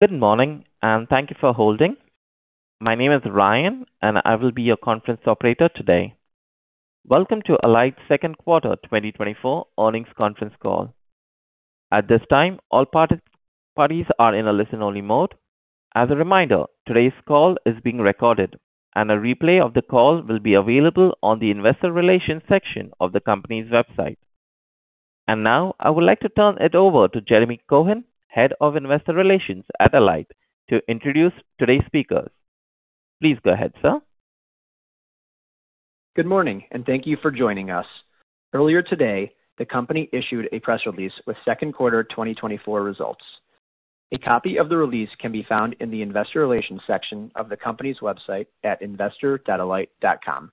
Good morning, and thank you for holding. My name is Ryan, and I will be your conference operator today. Welcome to Alight's second quarter 2024 earnings conference call. At this time, all parties are in a listen-only mode. As a reminder, today's call is being recorded, and a replay of the call will be available on the investor relations section of the company's website. And now, I would like to turn it over to Jeremy Cohen, Head of Investor Relations at Alight, to introduce today's speakers. Please go ahead, sir. Good morning, and thank you for joining us. Earlier today, the company issued a press release with second quarter 2024 results. A copy of the release can be found in the investor relations section of the company's website at investor.alight.com.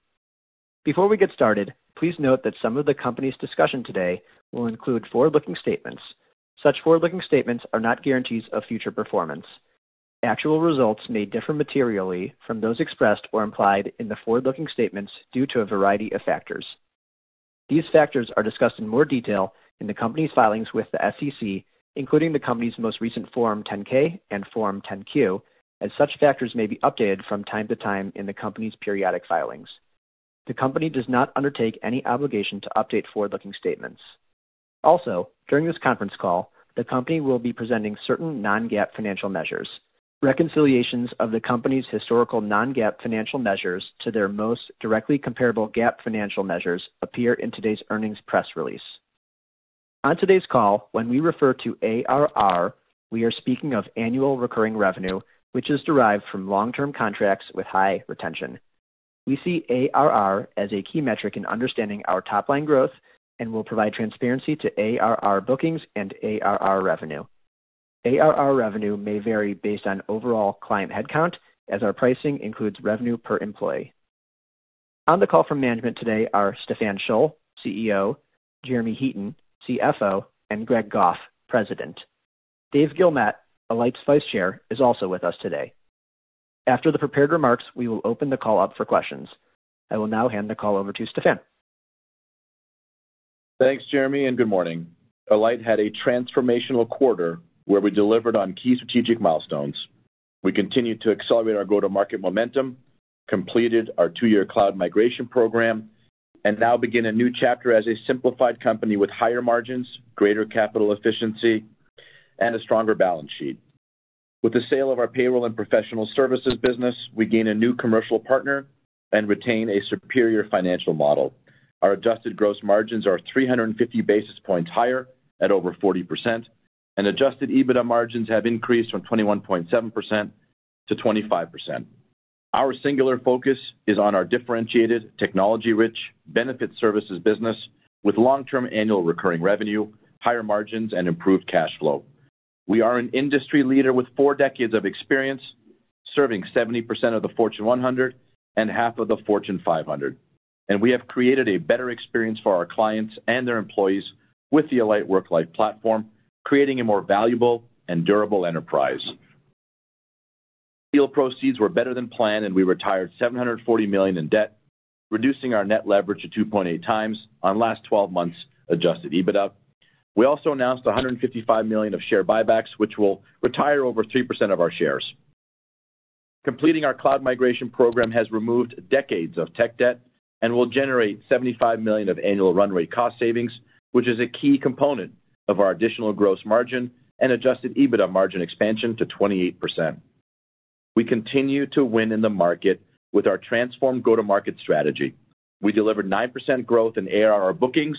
Before we get started, please note that some of the company's discussion today will include forward-looking statements. Such forward-looking statements are not guarantees of future performance. Actual results may differ materially from those expressed or implied in the forward-looking statements due to a variety of factors. These factors are discussed in more detail in the company's filings with the SEC, including the company's most recent Form 10-K and Form 10-Q, as such factors may be updated from time to time in the company's periodic filings. The company does not undertake any obligation to update forward-looking statements. Also, during this conference call, the company will be presenting certain non-GAAP financial measures. Reconciliations of the company's historical non-GAAP financial measures to their most directly comparable GAAP financial measures appear in today's earnings press release. On today's call, when we refer to ARR, we are speaking of annual recurring revenue, which is derived from long-term contracts with high retention. We see ARR as a key metric in understanding our top-line growth and will provide transparency to ARR bookings and ARR revenue. ARR revenue may vary based on overall client headcount, as our pricing includes revenue per employee. On the call from management today are Stephan Scholl, CEO; Jeremy Heaton, CFO, and Greg Goff, President. Dave Guilmette, Alight's vice chair, is also with us today. After the prepared remarks, we will open the call up for questions. I will now hand the call over to Stephan. Thanks, Jeremy, and good morning. Alight had a transformational quarter where we delivered on key strategic milestones. We continued to accelerate our go-to-market momentum, completed our 2-year cloud migration program, and now begin a new chapter as a simplified company with higher margins, greater capital efficiency, and a stronger balance sheet. With the sale of our payroll and professional services business, we gain a new commercial partner and retain a superior financial model. Our adjusted gross margins are 350 basis points higher at over 40%, and Adjusted EBITDA margins have increased from 21.7% to 25%. Our singular focus is on our differentiated, technology-rich benefit services business, with long-term annual recurring revenue, higher margins, and improved cash flow. We are an industry leader with 4 decades of experience, serving 70% of the Fortune 100 and half of the Fortune 500, and we have created a better experience for our clients and their employees with the Alight WorkLife platform, creating a more valuable and durable enterprise. Deal proceeds were better than planned, and we retired $740 million in debt, reducing our net leverage to 2.8x on last 12 months Adjusted EBITDA. We also announced $155 million of share buybacks, which will retire over 3% of our shares. Completing our cloud migration program has removed decades of tech debt and will generate $75 million of annual run rate cost savings, which is a key component of our additional gross margin and Adjusted EBITDA margin expansion to 28%. We continue to win in the market with our transformed go-to-market strategy. We delivered 9% growth in ARR bookings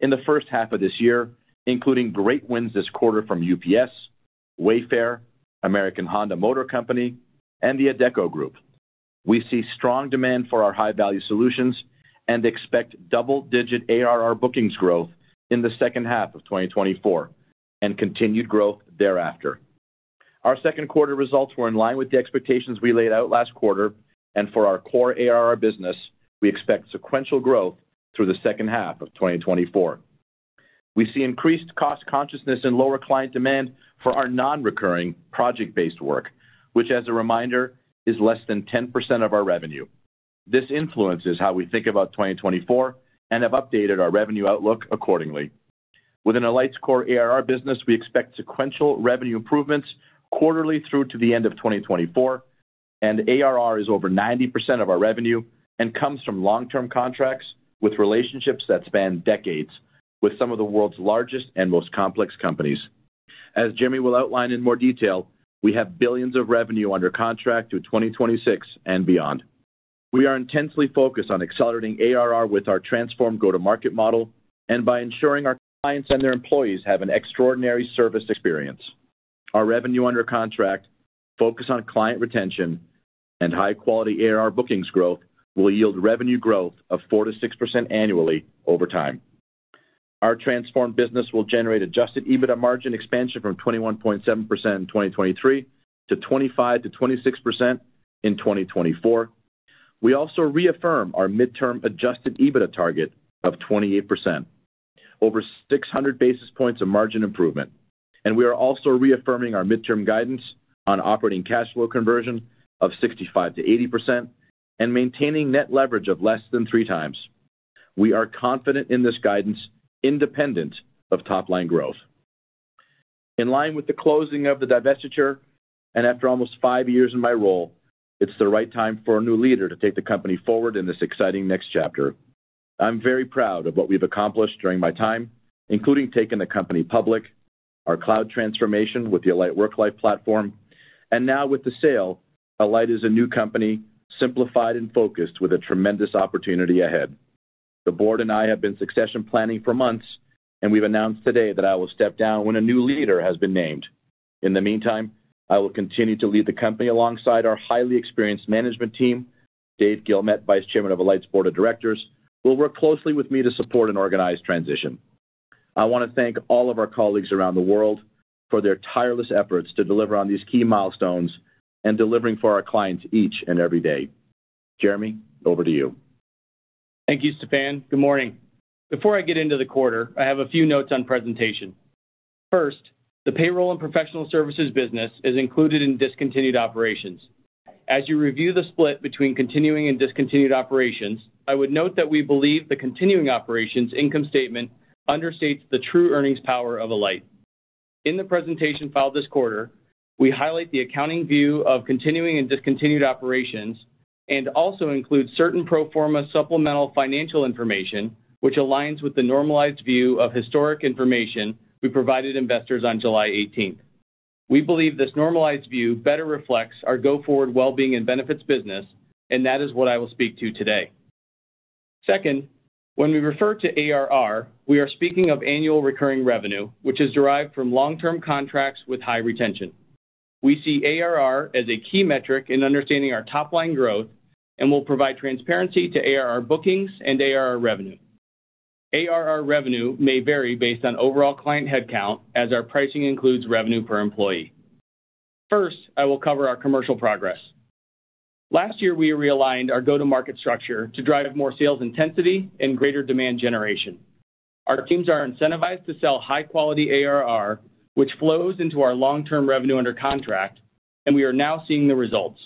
in the first half of this year, including great wins this quarter from UPS, Wayfair, American Honda Motor Co., Inc., and The Adecco Group. We see strong demand for our high-value solutions and expect double-digit ARR bookings growth in the second half of 2024 and continued growth thereafter. Our second quarter results were in line with the expectations we laid out last quarter, and for our core ARR business, we expect sequential growth through the second half of 2024. We see increased cost consciousness and lower client demand for our non-recurring project-based work, which, as a reminder, is less than 10% of our revenue. This influences how we think about 2024 and have updated our revenue outlook accordingly. Within Alight's core ARR business, we expect sequential revenue improvements quarterly through to the end of 2024, and ARR is over 90% of our revenue and comes from long-term contracts with relationships that span decades with some of the world's largest and most complex companies. As Jeremmy will outline in more detail, we have $ billions of revenue under contract through 2026 and beyond. We are intensely focused on accelerating ARR with our transformed go-to-market model and by ensuring our clients and their employees have an extraordinary service experience. Our revenue under contract, focus on client retention, and high-quality ARR bookings growth will yield revenue growth of 4%-6% annually over time. Our transformed business will generate Adjusted EBITDA margin expansion from 21.7% in 2023 to 25%-26% in 2024. We also reaffirm our midterm Adjusted EBITDA target of 28%, over 600 basis points of margin improvement, and we are also reaffirming our midterm guidance on operating cash flow conversion of 65%-80% and maintaining net leverage of less than 3 times. We are confident in this guidance, independent of top-line growth. In line with the closing of the divestiture, and after almost 5 years in my role, it's the right time for a new leader to take the company forward in this exciting next chapter. I'm very proud of what we've accomplished during my time, including taking the company public, our cloud transformation with the Alight Worklife platform, and now with the sale, Alight is a new company, simplified and focused, with a tremendous opportunity ahead. The board and I have been succession planning for months, and we've announced today that I will step down when a new leader has been named. In the meantime, I will continue to lead the company alongside our highly experienced management team. Dave Guilmette, Vice Chairman of Alight's Board of Directors, will work closely with me to support an organized transition. I want to thank all of our colleagues around the world for their tireless efforts to deliver on these key milestones and delivering for our clients each and every day. Jeremy, over to you. Thank you, Stephan. Good morning. Before I get into the quarter, I have a few notes on presentation. First, the payroll and professional services business is included in discontinued operations. As you review the split between continuing and discontinued operations, I would note that we believe the continuing operations income statement understates the true earnings power of Alight. In the presentation filed this quarter, we highlight the accounting view of continuing and discontinued operations and also include certain pro forma supplemental financial information, which aligns with the normalized view of historic information we provided investors on July eighteenth. We believe this normalized view better reflects our go-forward wellbeing and benefits business, and that is what I will speak to today. Second, when we refer to ARR, we are speaking of annual recurring revenue, which is derived from long-term contracts with high retention. We see ARR as a key metric in understanding our top-line growth and will provide transparency to ARR bookings and ARR revenue. ARR revenue may vary based on overall client headcount, as our pricing includes revenue per employee. First, I will cover our commercial progress. Last year, we realigned our go-to-market structure to drive more sales intensity and greater demand generation. Our teams are incentivized to sell high-quality ARR, which flows into our long-term revenue under contract, and we are now seeing the results.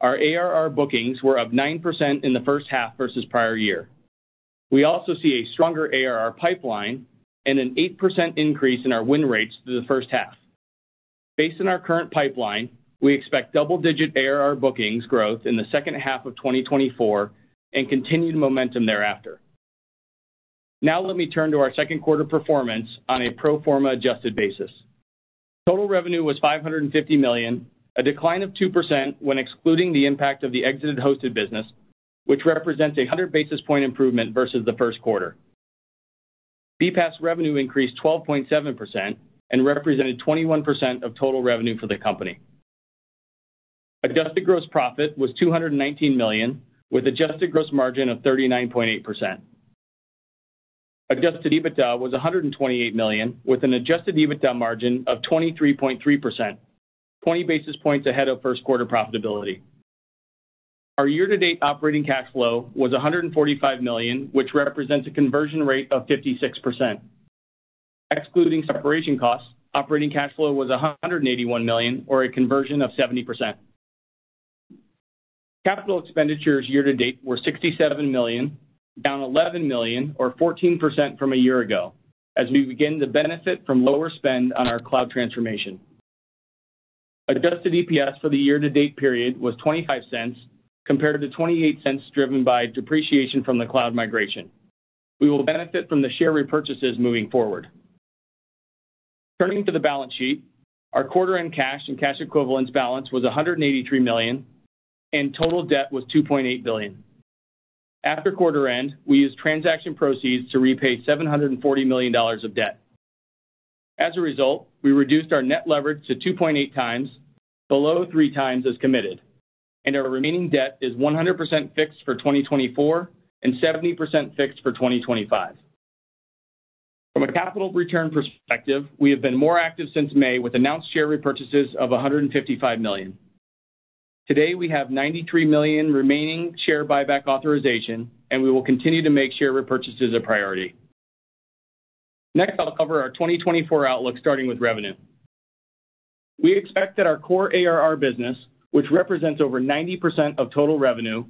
Our ARR bookings were up 9% in the first half versus prior year. We also see a stronger ARR pipeline and an 8% increase in our win rates through the first half. Based on our current pipeline, we expect double-digit ARR bookings growth in the second half of 2024 and continued momentum thereafter. Now let me turn to our second quarter performance on a pro forma adjusted basis. Total revenue was $550 million, a decline of 2% when excluding the impact of the exited hosted business, which represents a 100 basis point improvement versus the first quarter. BPaaS revenue increased 12.7% and represented 21% of total revenue for the company. Adjusted gross profit was $219 million, with adjusted gross margin of 39.8%. Adjusted EBITDA was $128 million, with an adjusted EBITDA margin of 23.3%, 20 basis points ahead of first quarter profitability. Our year-to-date operating cash flow was $145 million, which represents a conversion rate of 56%. Excluding separation costs, operating cash flow was $181 million, or a conversion of 70%. Capital expenditures year to date were $67 million, down $11 million, or 14% from a year ago, as we begin to benefit from lower spend on our cloud transformation. Adjusted EPS for the year-to-date period was $0.25, compared to $0.28, driven by depreciation from the cloud migration. We will benefit from the share repurchases moving forward. Turning to the balance sheet, our quarter-end cash and cash equivalents balance was $183 million, and total debt was $2.8 billion. After quarter end, we used transaction proceeds to repay $740 million of debt. As a result, we reduced our net leverage to 2.8 times, below 3 times as committed, and our remaining debt is 100% fixed for 2024 and 70% fixed for 2025. From a capital return perspective, we have been more active since May with announced share repurchases of $155 million. Today, we have $93 million remaining share buyback authorization, and we will continue to make share repurchases a priority. Next, I'll cover our 2024 outlook, starting with revenue. We expect that our core ARR business, which represents over 90% of total revenue,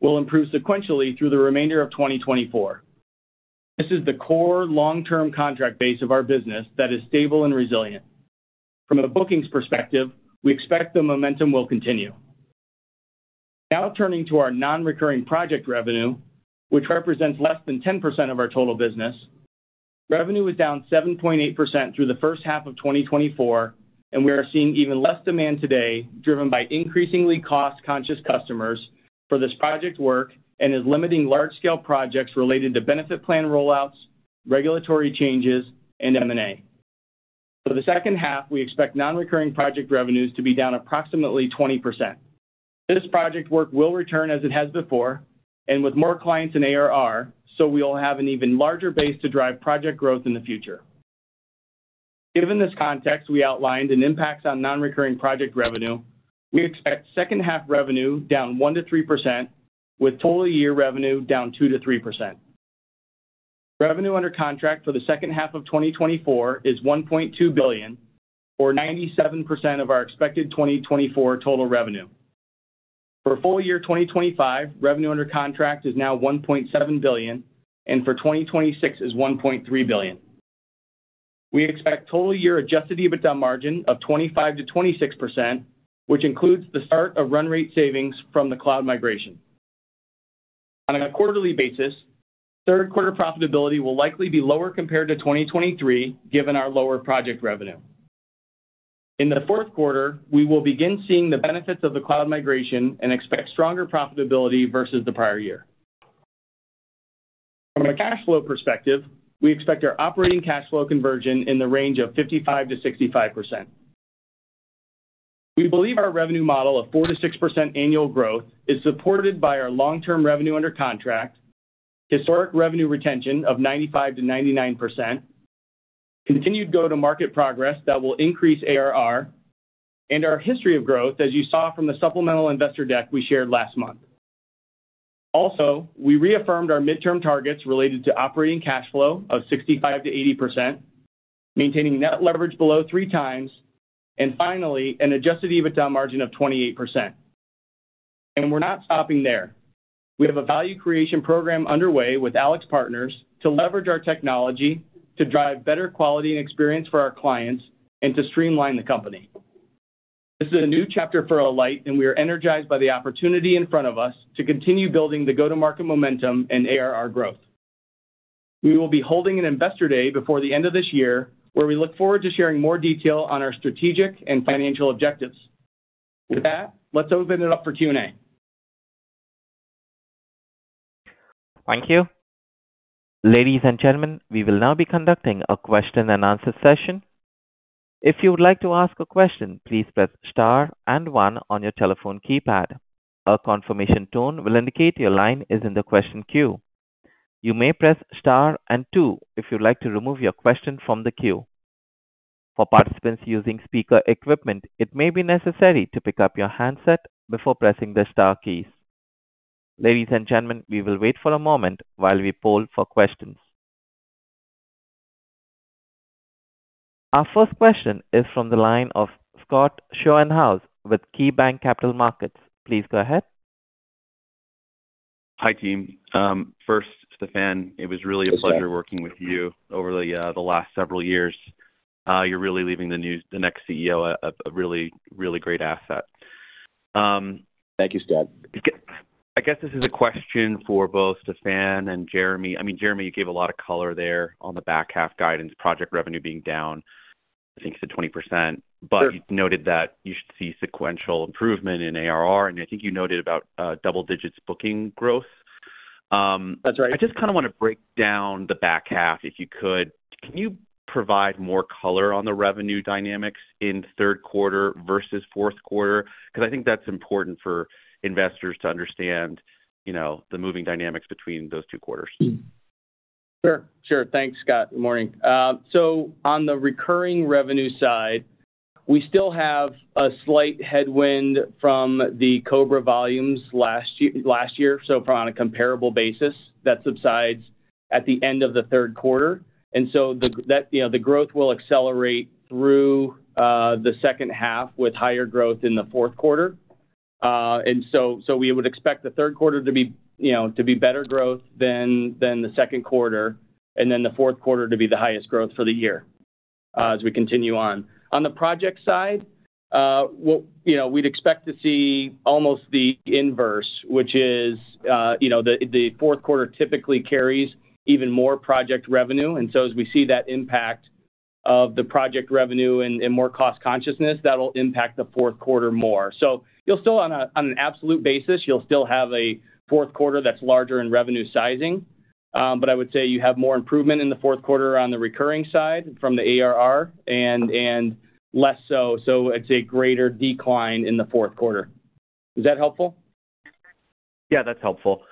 will improve sequentially through the remainder of 2024. This is the core long-term contract base of our business that is stable and resilient. From a bookings perspective, we expect the momentum will continue. Now turning to our non-recurring project revenue, which represents less than 10% of our total business. Revenue was down 7.8% through the first half of 2024, and we are seeing even less demand today, driven by increasingly cost-conscious customers for this project work and is limiting large-scale projects related to benefit plan rollouts, regulatory changes, and M&A. For the second half, we expect non-recurring project revenues to be down approximately 20%. This project work will return as it has before and with more clients in ARR, so we will have an even larger base to drive project growth in the future. Given this context we outlined and impacts on non-recurring project revenue, we expect second half revenue down 1%-3%, with total year revenue down 2%-3%. Revenue under contract for the second half of 2024 is $1.2 billion, or 97% of our expected 2024 total revenue. For full year 2025, revenue under contract is now $1.7 billion, and for 2026 is $1.3 billion. We expect total year Adjusted EBITDA margin of 25%-26%, which includes the start of run rate savings from the cloud migration. On a quarterly basis, third quarter profitability will likely be lower compared to 2023, given our lower project revenue. In the fourth quarter, we will begin seeing the benefits of the cloud migration and expect stronger profitability versus the prior year. From a cash flow perspective, we expect our operating cash flow conversion in the range of 55%-65%. We believe our revenue model of 4%-6% annual growth is supported by our long-term revenue under contract, historic revenue retention of 95%-99%, continued go-to-market progress that will increase ARR, and our history of growth, as you saw from the supplemental investor deck we shared last month. Also, we reaffirmed our midterm targets related to operating cash flow of 65%-80%, maintaining net leverage below 3x, and finally, an Adjusted EBITDA margin of 28%. We're not stopping there. We have a value creation program underway with AlixPartners to leverage our technology to drive better quality and experience for our clients and to streamline the company. This is a new chapter for Alight, and we are energized by the opportunity in front of us to continue building the go-to-market momentum and ARR growth. We will be holding an investor day before the end of this year, where we look forward to sharing more detail on our strategic and financial objectives. With that, let's open it up for Q&A. Thank you. Ladies and gentlemen, we will now be conducting a question and answer session. If you would like to ask a question, please press star and one on your telephone keypad. A confirmation tone will indicate your line is in the question queue. You may press star and two if you'd like to remove your question from the queue. For participants using speaker equipment, it may be necessary to pick up your handset before pressing the star keys. Ladies and gentlemen, we will wait for a moment while we poll for questions. Our first question is from the line of Scott Schoenhaus with KeyBanc Capital Markets. Please go ahead. Hi, team. First, Stephan, it was really a pleasure working with you over the last several years. You're really leaving the next CEO a really, really great asset. Thank you, Scott. I guess this is a question for both Stephan and Jeremy. I mean, Jeremy, you gave a lot of color there on the back half guidance, project revenue being down, I think you said 20%. Sure. But you noted that you should see sequential improvement in ARR, and I think you noted about double digits booking growth. That's right. I just want to break down the back half, if you could. Can you provide more color on the revenue dynamics in third quarter versus fourth quarter? Because I think that's important for investors to understand, the moving dynamics between those two quarters. Thanks, Scott. Good morning. n the recurring revenue side, we still have a slight headwind from the COBRA volumes last year, last year. On a comparable basis, that subsides at the end of the third quarter. The growth will accelerate through the second half, with higher growth in the fourth quarter. And so, so we would expect the third quarter to be better growth than the second quarter, and then the fourth quarter to be the highest growth for the year, as we continue on. On the project side, we'll. We'd expect to see almost the inverse, which is the fourth quarter typically carries even more project revenue. And so as we see that impact of the project revenue and more cost consciousness, that'll impact the fourth quarter more. You'll still on an absolute basis, you'll still have a fourth quarter that's larger in revenue sizing. I would say you have more improvement in the fourth quarter on the recurring side from the ARR, and less so, so it's a greater decline in the fourth quarter. Is that helpful? Yeah, that's helpful.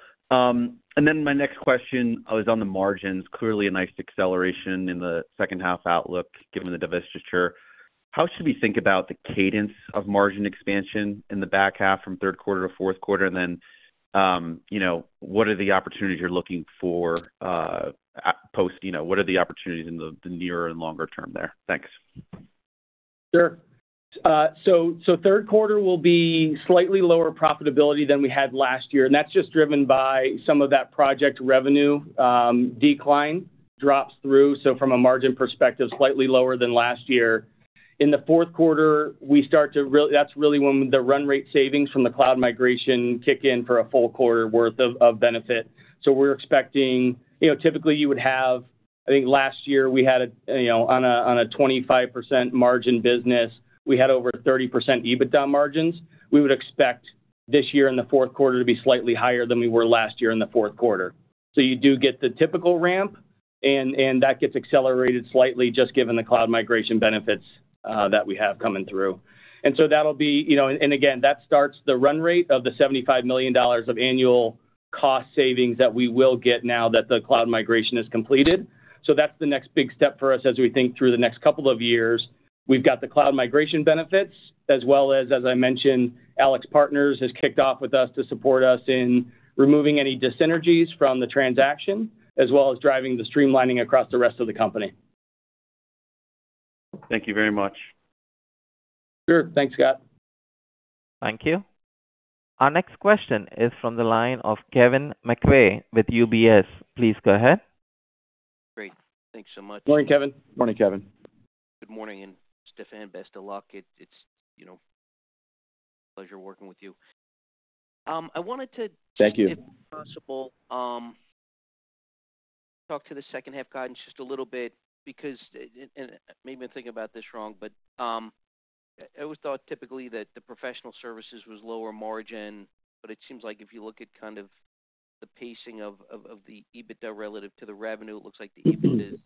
And then my next question was on the margins. Clearly a nice acceleration in the second half outlook, given the divestiture. How should we think about the cadence of margin expansion in the back half from third quarter to fourth quarter? What are the opportunities you're looking for? You know, what are the opportunities in the nearer and longer term there? Thanks. Sure. Q3 will be slightly lower profitability than we had last year, and that's just driven by some of that project revenue, decline, drops through. From a margin perspective, slightly lower than last year. In the fourth quarter, we start to really, that's really when the run rate savings from the cloud migration kick in for a full quarter worth of benefit. We're expecting. Typically you would have, I think last year we had a on a 25% margin business, we had over 30% EBITDA margins. We would expect this year in the fourth quarter to be slightly higher than we were last year in the Q4. You do get the typical ramp, and that gets accelerated slightly just given the cloud migration benefits that we have coming through. That'll be again, that starts the run rate of $75 million of annual cost savings that we will get now that the cloud migration is completed. That's the next big step for us as we think through the next couple of years. We've got the cloud migration benefits as well as, as I mentioned, AlixPartners has kicked off with us to support us in removing any dyssynergies from the transaction, as well as driving the streamlining across the rest of the company. Thank you very much. Sure. Thanks, Scott. Thank you. Our next question is from the line of Kevin McVeigh with UBS. Please go ahead. Great. Thanks so much. Morning, Kevin. Morning, Kevin. Good morning, and Stefan, best of luck. It's, a pleasure working with you. Thank you If possible, talk to the second half guidance just a little bit because, and maybe I'm thinking about this wrong, but, it was thought typically that the professional services was lower margin, but it seems like if you look at the pacing of the EBITDA relative to the revenue, it looks like the EBITDA is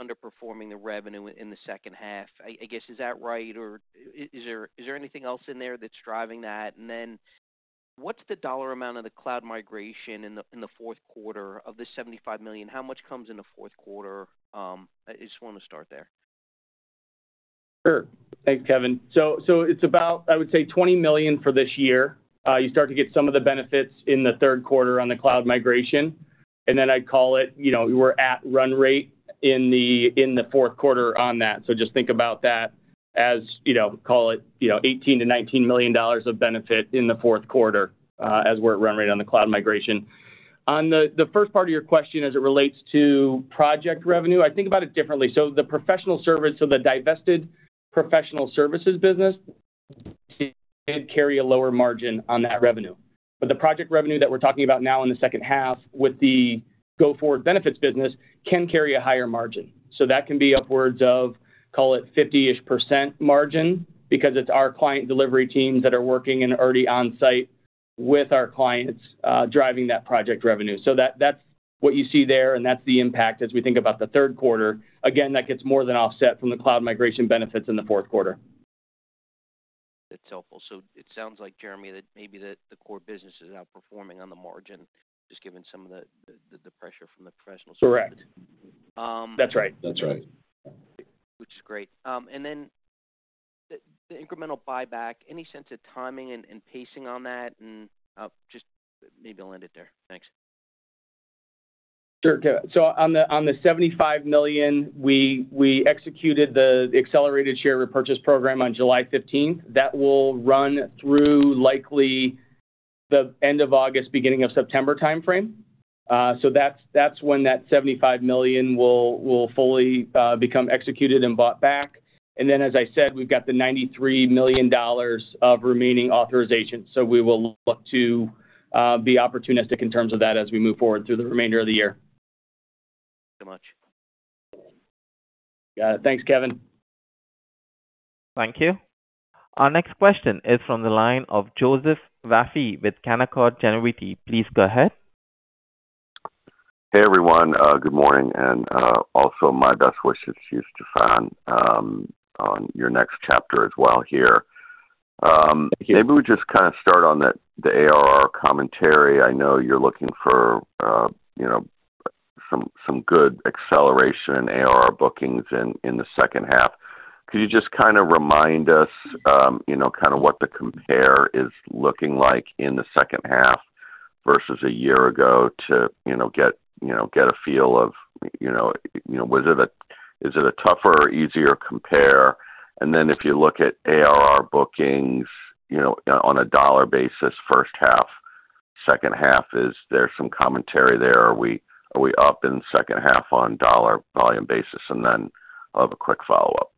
underperforming the revenue in the second half. I guess, is that right, or is there anything else in there that's driving that? And then what's the dollar amount of the cloud migration in the fourth quarter of the $75 million, how much comes in the fourth quarter? I just want to start there. Sure. Thanks, Kevin. It's about, I would say, $20 million for this year. You start to get some of the benefits in the third quarter on the cloud migration, and then I'd call it we're at run rate in the fourth quarter on that. Just think about that as call it $18 million-$19 million of benefit in the fourth quarter, as we're at run rate on the cloud migration. On the first part of your question, as it relates to project revenue, I think about it differently. The professional service, so the divested professional services business, did carry a lower margin on that revenue. The project revenue that we're talking about now in the second half with the go-forward benefits business can carry a higher margin. That can be upwards of call it, 50% margin because it's our client delivery teams that are working and are already on-site with our clients, driving that project revenue. That's what you see there, and that's the impact as we think about the third quarter. Again, that gets more than offset from the cloud migration benefits in the fourth quarter. That's helpful. It sounds like, Jeremy, that maybe the core business is outperforming on the margin, just given some of the pressure from the professional service. Correct.That's right. That's right. Which is great. Then the incremental buyback, any sense of timing and pacing on that? Just maybe I'll end it there. Thanks. Sure, Kevin. On the $75 million, we executed the accelerated share repurchase program on July fifteenth. That will run through likely the end of August, beginning of September timeframe. That's when that $75 million will fully become executed and bought back. Then, as I said, we've got the $93 million of remaining authorization, so we will look to be opportunistic in terms of that as we move forward through the remainder of the year. Thank you much. Got it. Thanks, Kevin. Thank you. Our next question is from the line of Joseph Vafi with Canaccord Genuity. Please go ahead. Hey, everyone, good morning, and also my best wishes to you, Stephan, on your next chapter as well here. Thank you. Maybe we just start on the ARR commentary. I know you're looking for, you know, some good acceleration in ARR bookings in the second half. Could you just remind us, you know, what the compare is looking like in the second half versus a year ago to, you know, get a feel of, you know, is it a tougher or easier compare? Then if you look at ARR bookings, you know, on a dollar basis, first half, second half, is there some commentary there? Are we up in the second half on dollar volume basis? Then I'll have a quick follow-up.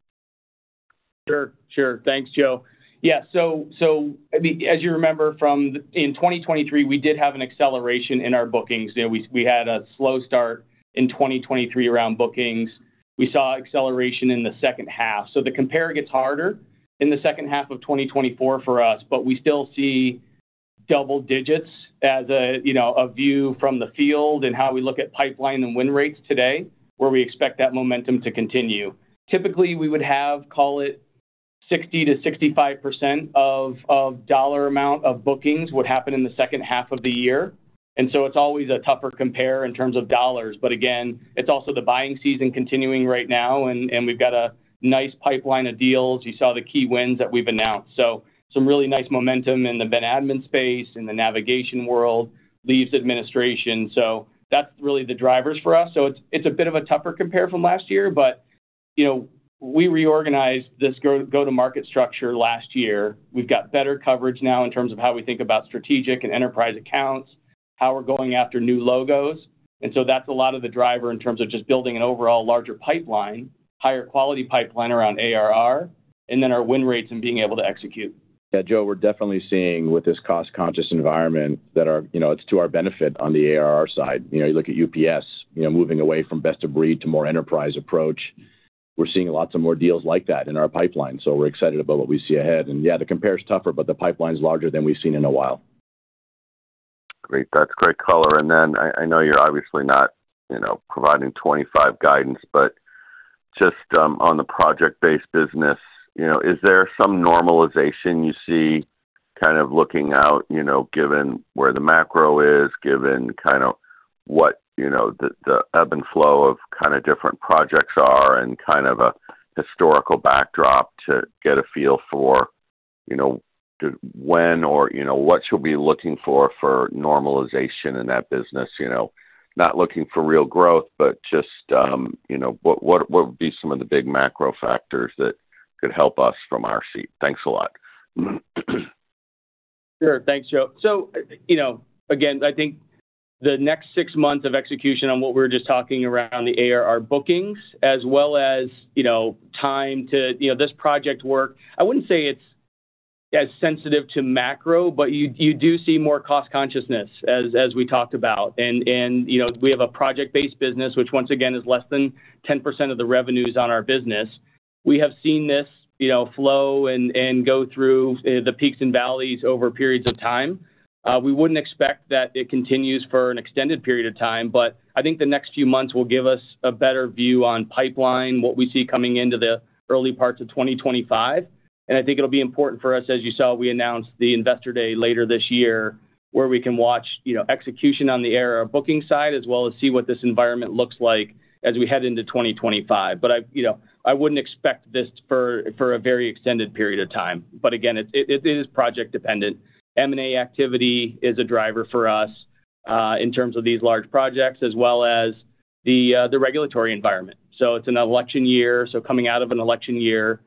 Sure, sure. Thanks, Joe. Yeah, so, so, I mean, as you remember from in 2023, we did have an acceleration in our bookings. You know, we, we had a slow start in 2023 around bookings. We saw acceleration in the second half. So the compare gets harder in the second half of 2024 for us, but we still see double digits as a, you know, a view from the field and how we look at pipeline and win rates today, where we expect that momentum to continue. Typically, we would have, call it, 60%-65% of, of dollar amount of bookings would happen in the second half of the year, and so it's always a tougher compare in terms of dollars. Again, it's also the buying season continuing right now, and, and we've got a nice pipeline of deals. You saw the key wins that we've announced. Some really nice momentum in the admin space, in the navigation world, leaves administration. So that's really the drivers for us. So it's a bit of a tougher compare from last year, but, you know, we reorganized this go-to-market structure last year. We've got better coverage now in terms of how we think about strategic and enterprise accounts, how we're going after new logos, and so that's a lot of the driver in terms of just building an overall larger pipeline, higher quality pipeline around ARR, and then our win rates and being able to execute. Yeah, Joe, we're definitely seeing with this cost-conscious environment that our. It's to our benefit on the ARR side. You look at UPS, moving away from best of breed to more enterprise approach. We're seeing lots of more deals like that in our pipeline, so we're excited about what we see ahead. The compare is tougher, but the pipeline is larger than we've seen in a while. Great. That's great color. Then I know you're obviously not, providing 2025 guidance, but just on the project-based business, is there some normalization you see? Looking out, given where the macro is, given what, the ebb and flow of different projects are, and a historical backdrop to get a feel for, you know, when or, you know, what you'll be looking for for normalization in that business, you know? Not looking for real growth, but just what would be some of the big macro factors that could help us from our seat? Thanks a lot. Sure. Thanks, Joe. Again, I think the next six months of execution on what we're just talking around the ARR bookings as well as, you know, time to this project work, I wouldn't say it's as sensitive to macro, but you do see more cost consciousness as we talked about. We have a project-based business, which once again, is less than 10% of the revenues on our business. We have seen this, flow and go through, the peaks and valleys over periods of time. We wouldn't expect that it continues for an extended period of time, but I think the next few months will give us a better view on pipeline, what we see coming into the early parts of 2025, and I think it'll be important for us, as you saw, we announced the Investor Day later this year, where we can watch, you know, execution on the ARR booking side, as well as see what this environment looks like as we head into 2025. I wouldn't expect this for a very extended period of time. Again, it's, it is project dependent. M&A activity is a driver for us, in terms of these large projects, as well as the regulatory environment. It's an election year, so coming out of an election year,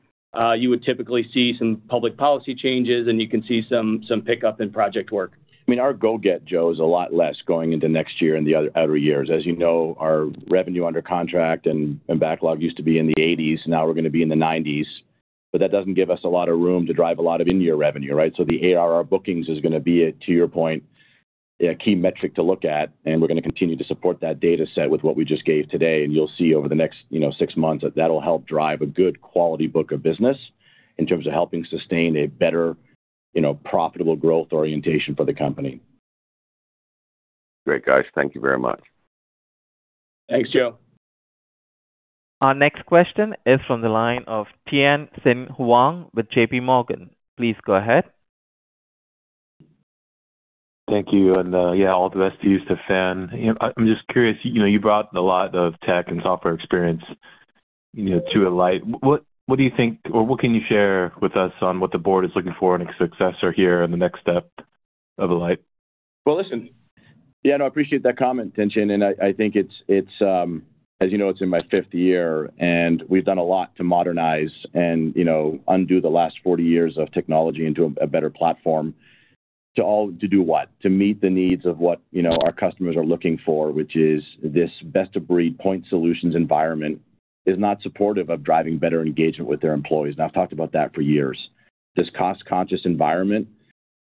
you would typically see some public policy changes, and you can see some, some pickup in project work. I mean, our go-get is a lot less going into next year and other years. As you know, our revenue under contract and backlog used to be in the 80s, now we're going to be in the 90s, but that doesn't give us a lot of room to drive a lot of in-year revenue, right? The ARR bookings is going to be a, to your point, a key metric to look at, and we're going to continue to support that data set with what we just gave today. You'll see over the next six months, that that'll help drive a good quality book of business in terms of helping sustain a better, profitable growth orientation for the company. Great, guys. Thank you very much. Thanks, Joe. Our next question is from the line of Tianxin Huang with J.P. Morgan. Please go ahead. Thank you, and yeah, all the best to you, Stephan. You know, I'm just curious, you know, you brought a lot of tech and software experience, you know, to Alight. What do you think, or what can you share with us on what the board is looking for in a successor here and the next step of Alight? Well, listen, yeah, no, I appreciate that comment, Tianxin, and I think it's. As it's in my fifth year, and we've done a lot to modernize and, you know, undo the last 40 years of technology into a better platform to do what? To meet the needs of what our customers are looking for, which is this best-of-breed point solutions environment is not supportive of driving better engagement with their employees, and I've talked about that for years. This cost-conscious environment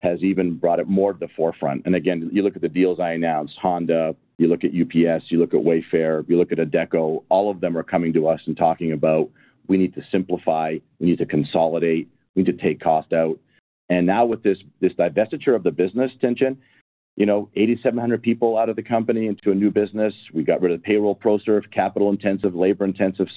has even brought it more to the forefront. Again, you look at the deals I announced, Honda, you look at UPS, you look at Wayfair, you look at Adecco, all of them are coming to us and talking about: We need to simplify, we need to consolidate, we need to take cost out. Now with this divestiture of the business, Tianxin, you know, 8,700 people out of the company into a new business. We got rid of the payroll pro serve, capital intensive, labor intensive.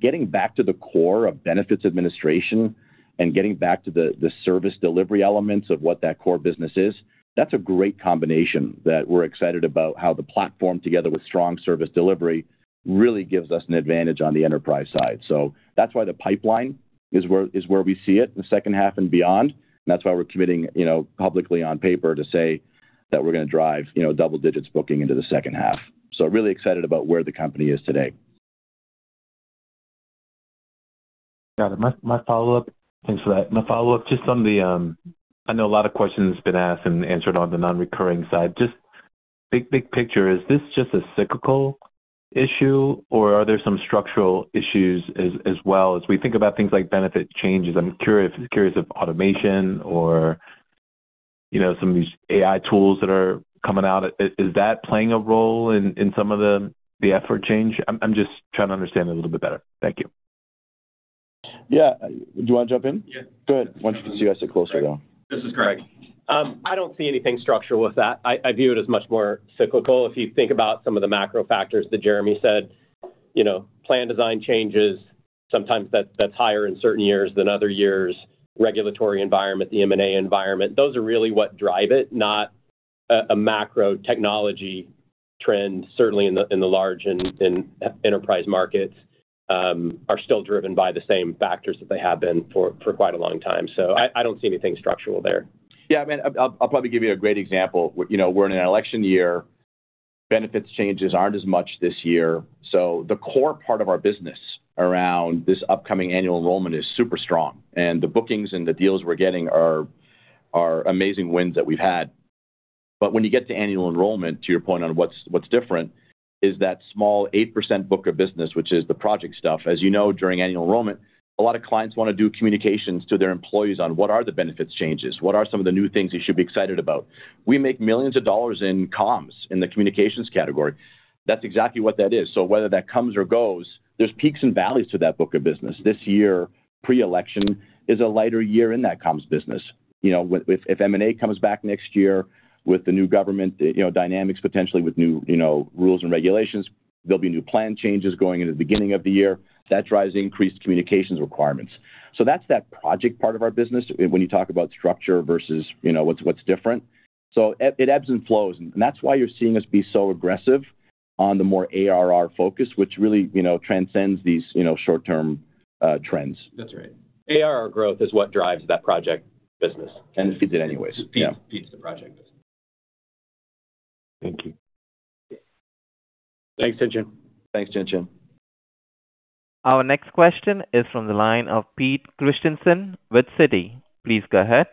Getting back to the core of benefits administration and getting back to the, the service delivery elements of what that core business is, that's a great combination that we're excited about how the platform, together with strong service delivery, really gives us an advantage on the enterprise side. That's why the pipeline is where, is where we see it in the second half and beyond. That's why we're committing, you know, publicly on paper to say that we're gonna drive double digits booking into the second half. Really excited about where the company is today. Got it. My follow-up. Thanks for that. My follow-up, just on the, I know a lot of questions been asked and answered on the non-recurring side. Just big picture, is this just a cyclical issue, or are there some structural issues as well? As we think about things like benefit changes, I'm curious if automation or, you know, some of these AI tools that are coming out, is that playing a role in some of the effort change? I'm just trying to understand a little bit better. Thank you. Yeah. Do you want to jump in? Yeah. Go ahead. Why don't you guys sit closer, though? This is Greg. I don't see anything structural with that. I view it as much more cyclical. If you think about some of the macro factors that Jeremy said, you know, plan design changes, sometimes that's higher in certain years than other years. Regulatory environment, the M&A environment, those are really what drive it, not a macro technology trend. Certainly, in the large and enterprise markets, are still driven by the same factors that they have been for quite a long time. I don't see anything structural there. Yeah, I mean I'll probably give you a great example. We're in an election year, benefits changes aren't as much this year, so the core part of our business around this upcoming annual enrollment is super strong, and the bookings and the deals we're getting are, are amazing wins that we've had. When you get to annual enrollment, to your point on what's, what's different, is that small 8% book of business, which is the project stuff. As during annual enrollment, a lot of clients wanna do communications to their employees on what are the benefits changes, what are some of the new things they should be excited about? We make $ millions in comms, in the communications category. That's exactly what that is. Whether that comes or goes, there's peaks and valleys to that book of business. This year, pre-election, is a lighter year in that comms business. You know, with if M&A comes back next year with the new government, you know, dynamics, potentially with new, rules and regulations. There'll be new plan changes going into the beginning of the year. That drives increased communications requirements. So that's that project part of our business, when you talk about structure versus, you know, what's different. So it ebbs and flows, and that's why you're seeing us be so aggressive on the more ARR focus, which really, you know, transcends these, you know, short-term trends. That's right. ARR growth is what drives that project business. And feeds it anyways. Feeds, feeds the project business. Thank you. Thanks, Chenxin. Thanks, Chenxin. Our next question is from the line of Peter Christiansen with Citi. Please go ahead.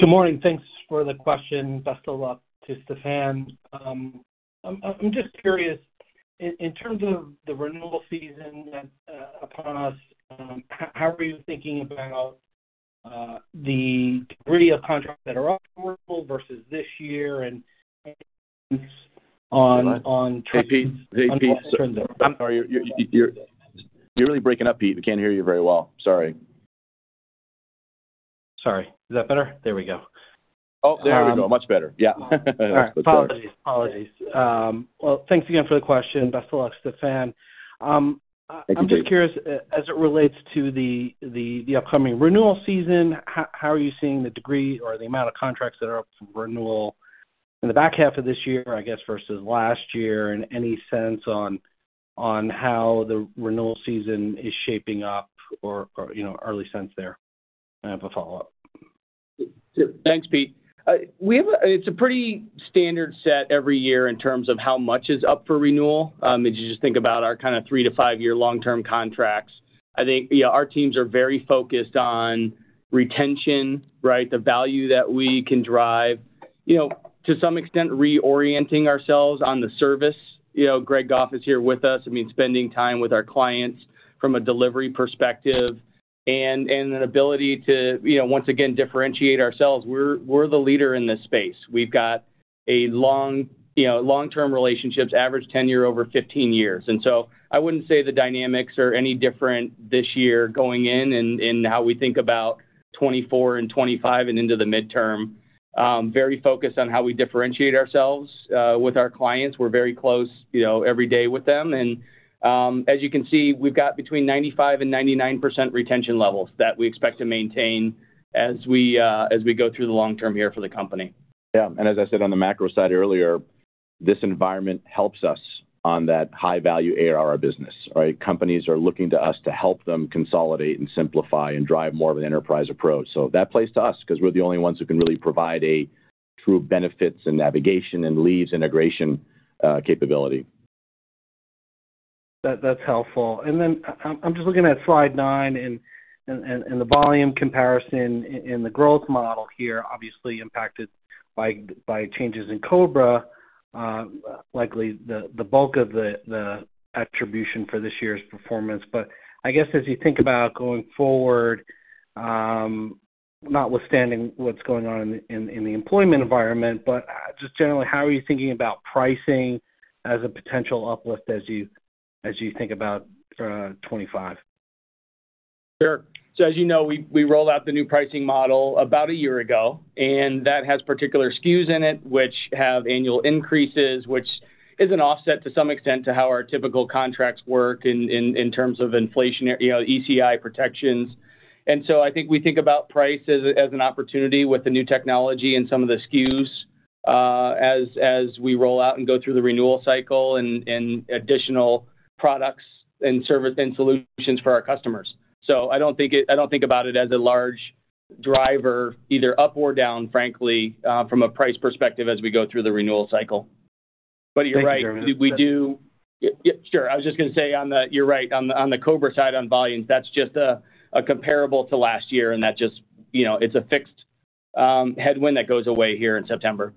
Good morning. Thanks for the question. Best of luck to Stephan. I'm just curious, in terms of the renewal season that upon us, how are you thinking about the degree of contracts that are up for renewal versus this year on Hey, Peter. You're really breaking up, Peter. We can't hear you very well. Sorry. Sorry. Is that better? There we go. Oh, there we go. Much better. Yeah. All right. Apologies. Apologies. Well, thanks again for the question. Best of luck, Stephan. Thank you, Pete. I'm just curious, as it relates to the upcoming renewal season, how are you seeing the degree or the amount of contracts that are up for renewal in the back half of this year, I guess, versus last year? Any sense on how the renewal season is shaping up or, you know, early sense there? I have a follow-up. Thanks, Peter. It's a pretty standard set every year in terms of how much is up for renewal. If you just think about our 3-5-year long-term contracts, I think, yeah, our teams are very focused on retention, right? The value that we can drive, you know, to some extent, reorienting ourselves on the service. You know, Greg Goff is here with us. I mean, spending time with our clients from a delivery perspective and, and an ability to, you know, once again differentiate ourselves. We're, we're the leader in this space. We've got a long, you know, long-term relationships, average tenure over 15 years. I wouldn't say the dynamics are any different this year going in and, and how we think about 2024 and 2025 and into the midterm. Very focused on how we differentiate ourselves with our clients. We're very close, every day with them. As you can see, we've got between 95% and 99% retention levels that we expect to maintain as we go through the long term here for the company. Yeah. As I said on the macro side earlier, this environment helps us on that high-value ARR business, right? Companies are looking to us to help them consolidate and simplify and drive more of an enterprise approach. That plays to us, 'cause we're the only ones who can really provide a true benefits and navigation and leaves integration, capability. That's helpful. Then I'm just looking at slide nine and the volume comparison in the growth model here, obviously impacted by changes in COBRA, likely the bulk of the attribution for this year's performance. But I guess as you think about going forward, notwithstanding what's going on in the employment environment, just generally, how are you thinking about pricing as a potential uplift as you think about 2025? Sure. So as we rolled out the new pricing model about a year ago, and that has particular SKUs in it, which have annual increases, which is an offset to some extent to how our typical contracts work in terms of inflation, you know, ECI protections. And so I think we think about price as an opportunity with the new technology and some of the SKUs, as we roll out and go through the renewal cycle and additional products and service and solutions for our customers. I don't think about it as a large driver, either up or down, frankly, from a price perspective, as we go through the renewal cycle. You're right. Yeah, sure. I was just going to say you're right, on the, on the COBRA side, on volumes, that's just a comparable to last year, and that just i's a fixed headwind that goes away here in September.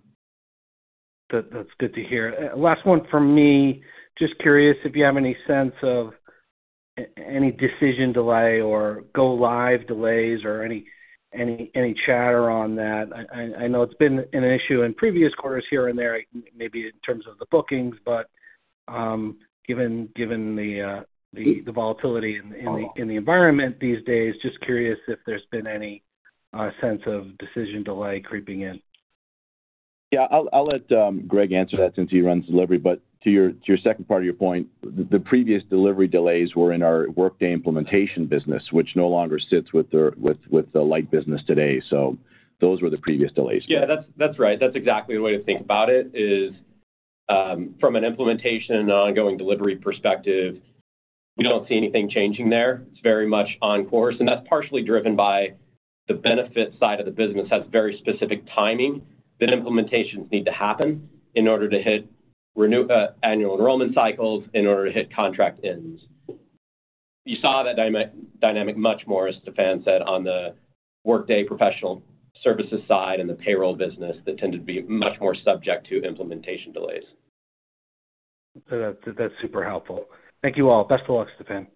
That's good to hear. Last one from me. Just curious if you have any sense of any decision delay or go live delays or any chatter on that. I know it's been an issue in previous quarters here and there, maybe in terms of the bookings, but, given the volatility in the environment these days, just curious if there's been any sense of decision delay creeping in. Yeah, I'll let Greg answer that since he runs delivery. To your second part of your point, the previous delivery delays were in our Workday implementation business, which no longer sits with the Alight business today. Those were the previous delays. Yeah, that's right. That's exactly the way to think about it, from an implementation and ongoing delivery perspective, we don't see anything changing there. It's very much on course, and that's partially driven by the benefit side of the business, has very specific timing, that implementations need to happen in order to hit renewal annual enrollment cycles, in order to hit contract ends. You saw that dynamic much more, as Stephan said, on the Workday professional services side and the payroll business that tended to be much more subject to implementation delays. That's super helpful. Thank you all. Best of luck, Stephan.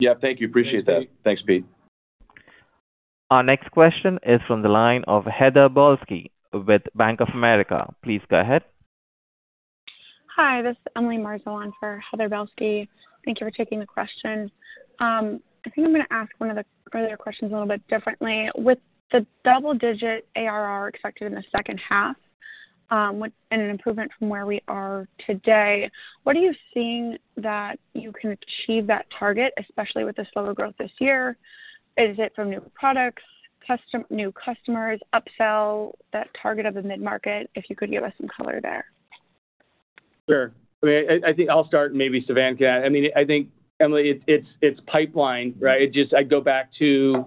Yeah, thank you. Appreciate that. Thanks, Peter. Our next question is from the line of Heather Balsky with Bank of America. Please go ahead. Hi, this is Emily Marzin for Heather Balsky. Thank you for taking the question. I think I'm going ask one of the earlier questions a little bit differently. With the double-digit ARR expected in the second half, which and an improvement from where we are today. What are you seeing that you can achieve that target, especially with the slower growth this year? Is it from new products, new customers, upsell, that target of the mid-market? If you could give us some color there. Sure. I mean, I think I'll start and maybe Stephen can. I think, Emily, it's pipeline, right? It just. I go back to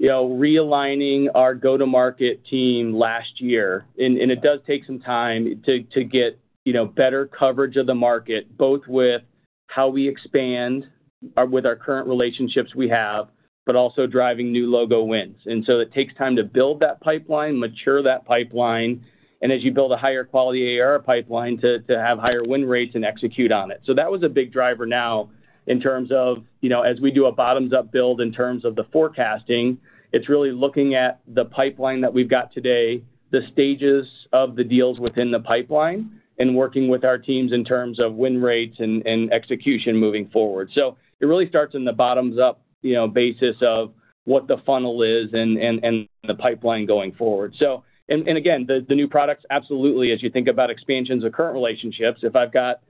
realigning our go-to-market team last year. It does take some time to get, you know, better coverage of the market, both with how we expand our... with our current relationships we have, but also driving new logo wins. And so it takes time to build that pipeline, mature that pipeline, and as you build a higher quality ARR pipeline, to have higher win rates and execute on it. That was a big driver now in terms of, as we do a bottoms-up build in terms of the forecasting, it's really looking at the pipeline that we've got today, the stages of the deals within the pipeline, and working with our teams in terms of win rates and execution moving forward. It really starts in the bottoms-up, you know, basis of what the funnel is and the pipeline going forward. Again, the new products, absolutely, as you think about expansions of current relationships, if I've got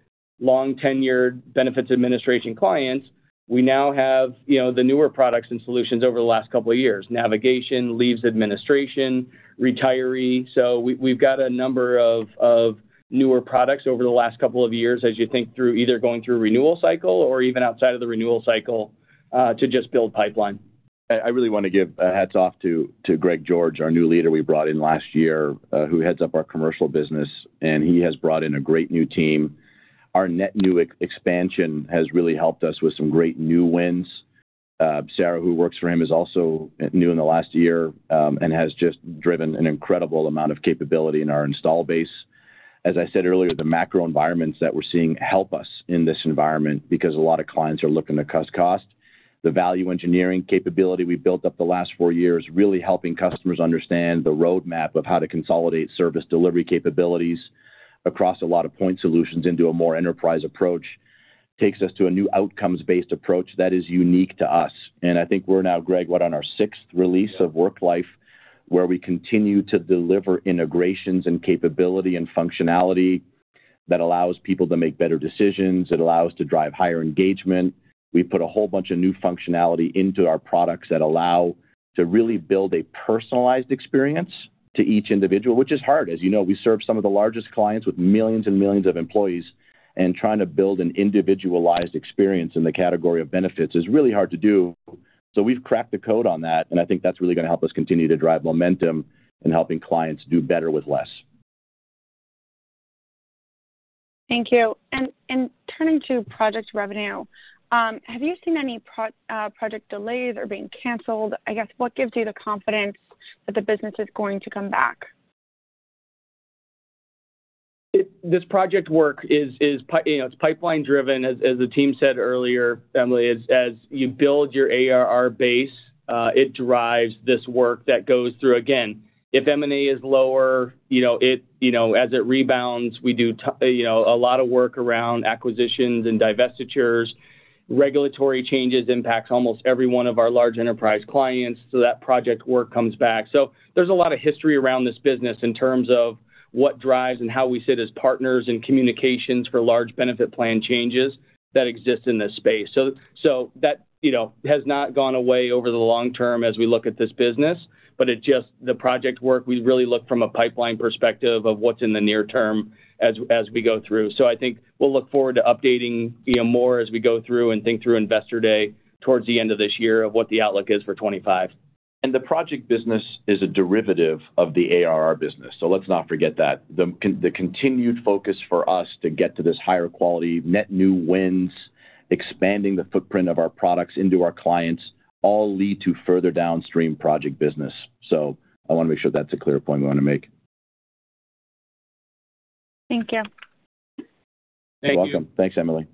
long-tenured benefits administration clients, we now have the newer products and solutions over the last couple of years: navigation, leaves administration, retiree. We've got a number of newer products over the last couple of years, as you think through either going through a renewal cycle or even outside of the renewal cycle, to just build pipeline. I really want to give a hats off to Greg George, our new leader we brought in last year, who heads up our commercial business, and he has brought in a great new team. Our net new expansion has really helped us with some great new wins. Sarah, who works for him, is also new in the last year, and has just driven an incredible amount of capability in our install base. As I said earlier, the macro environments that we're seeing help us in this environment because a lot of clients are looking to cut cost. The value engineering capability we've built up the last four years, really helping customers understand the roadmap of how to consolidate service delivery capabilities across a lot of point solutions into a more enterprise approach, takes us to a new outcomes-based approach that is unique to us. And I think we're now, Greg, what? On our sixth release of Worklife, where we continue to deliver integrations and capability and functionality that allows people to make better decisions. It allows to drive higher engagement. We put a whole bunch of new functionality into our products that allow to really build a personalized experience to each individual, which is hard. As you know, we serve some of the largest clients with millions and millions of employees, and trying to build an individualized experience in the category of benefits is really hard to do. We've cracked the code on that, and I think that's really gonna help us continue to drive momentum in helping clients do better with less. Thank you. Turning to project revenue, have you seen any project delays or being cancelled? What gives you the confidence that the business is going to come back? This project work is, you know, pipeline driven, as the team said earlier, Emily. As you build your ARR base, it drives this work that goes through. Again, if M&A is lower, you know, as it rebounds, we do, you know, a lot of work around acquisitions and divestitures. Regulatory changes impacts almost every one of our large enterprise clients, so that project work comes back. There's a lot of history around this business in terms of what drives and how we sit as partners in communications for large benefit plan changes that exist in this space. That has not gone away over the long term as we look at this business. The project work, we really look from a pipeline perspective of what's in the near term as we go through. I think we'll look forward to updating, more as we go through and think through Investor Day, towards the end of this year, of what the outlook is for 2025. The project business is a derivative of the ARR business, so let's not forget that. The continued focus for us to get to this higher quality, net new wins, expanding the footprint of our products into our clients, all lead to further downstream project business. I want to make sure that's a clear point we want to make. Thank you. Thank you. You're welcome. Thanks, Emily.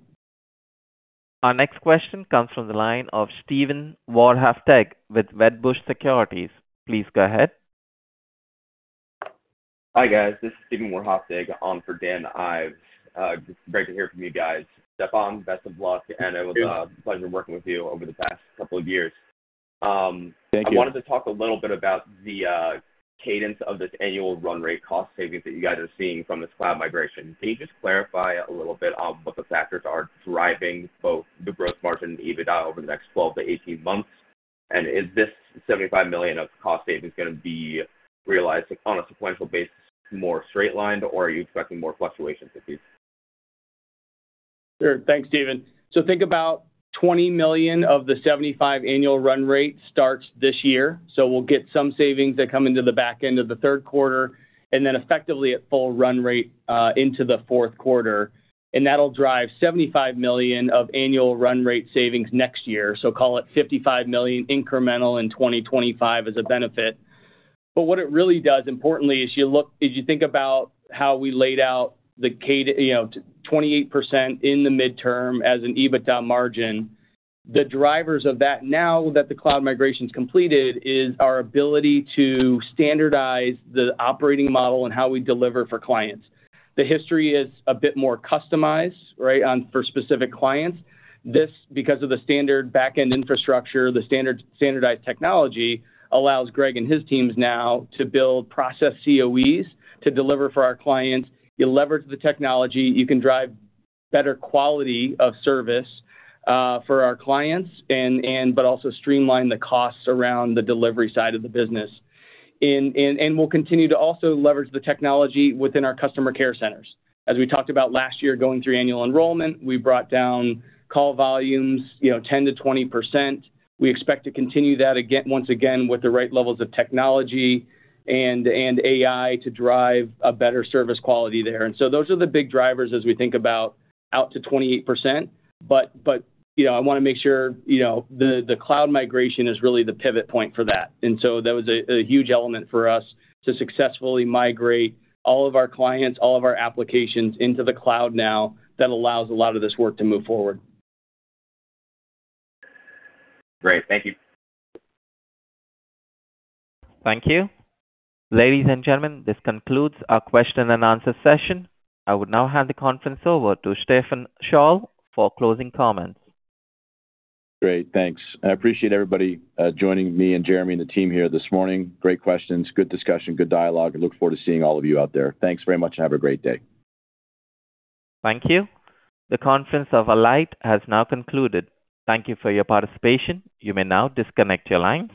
Our next question comes from the line of Steven Warhaftig with Wedbush Securities. Please go ahead. Hi, guys. This is Steven Warhaftig, on for Dan Ives. It's great to hear from you guys. Stephan, best of luck, and it was a pleasure working with you over the past couple of years. Thank you. I wanted to talk a little bit about the cadence of this annual run rate cost savings that you guys are seeing from this cloud migration. Can you just clarify a little bit on what the factors are driving both the growth margin and the EBITDA over the next 12-18 months? Is this $75 million of cost savings going to be realized, on a sequential basis, more straight lined, or are you expecting more fluctuations with these? Sure. Thanks, Steven. Think about $20 million of the $75 million annual run rate starts this year. Will get some savings that come into the back end of the third quarter, and then effectively at full run rate into the fourth quarter. That'll drive $75 million of annual run rate savings next year. Call it $55 million incremental in 2025 as a benefit. What it really does, importantly, is you look. If you think about how we laid out the cadence, you know, 28% in the midterm as an EBITDA margin, the drivers of that, now that the cloud migration's completed, is our ability to standardize the operating model and how we deliver for clients. The history is a bit more customized, right, on, for specific clients. This, because of the standard back-end infrastructure, the standardized technology, allows Greg and his teams now to build process COEs to deliver for our clients. Leverage the technology, you can drive better quality of service for our clients, and we'll continue to also leverage the technology within our customer care centers. As we talked about last year, going through annual enrollment, we brought down call volumes, you know, 10%-20%. We expect to continue that again, once again, with the right levels of technology and AI to drive a better service quality there. Those are the big drivers as we think about out to 28%. I want to make sure, the cloud migration is really the pivot point for that. That was a huge element for us to successfully migrate all of our clients, all of our applications into the cloud now that allows a lot of this work to move forward. Great. Thank you. Thank you. Ladies and gentlemen, this concludes our question and answer session. I would now hand the conference over to Stephan Scholl for closing comments. Great. Thanks. I appreciate everybody joining me and Jeremy and the team here this morning. Great questions, good discussion, good dialogue, and look forward to seeing all of you out there. Thanks very much, and have a great day. Thank you. The Alight conference has now concluded. Thank you for your participation. You may now disconnect your lines.